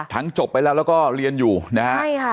จบไปแล้วแล้วก็เรียนอยู่นะฮะใช่ค่ะ